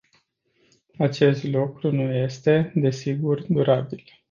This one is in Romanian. Acest lucru nu este, desigur, durabil.